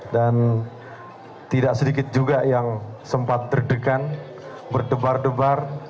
dan tidak sedikit juga yang sempat terdekan berdebar debar